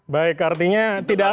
baik artinya tidak